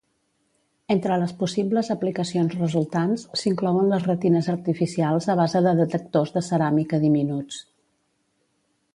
Entre les possibles aplicacions resultants, s'inclouen les retines artificials a base de detectors de ceràmica diminuts.